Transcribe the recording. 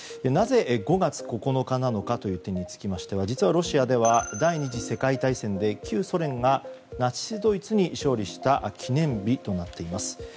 なぜ、５月９日なのかという点につきましては実はロシアでは第２次世界大戦で旧ソ連がナチスドイツに勝利した記念日となっています。